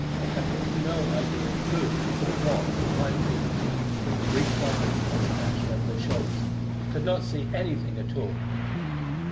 They had no idea who or what it might be, for in the brief glances they snatched over their shoulders they could not see anything at all!